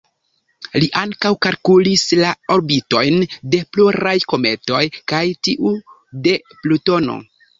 Li ankaŭ kalkulis la orbitojn de pluraj kometoj kaj tiu de Plutono.